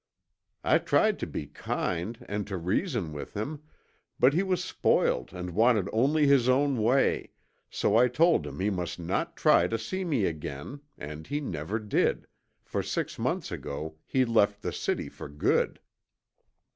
I tried to be kind and to reason with him, but he was spoiled and wanted only his own way, so I told him he must not try to see me again, and he never did, for six months ago he left the city for good."